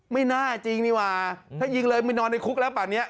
ไม่น่าจริงดีกว่าถ้ายิงเลยไม่นอนในคุกแล้วป่านนี้